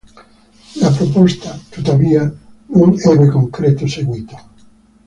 La proposta, tuttavia, non ebbe concreto seguito.